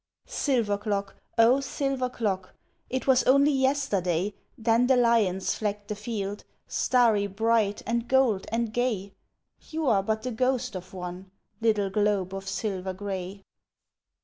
Silver clock! O Silver clock! It was only yesterday Dandelions flecked the field, starry bright, and gold and gay; You are but the ghost of one little globe of silver grey!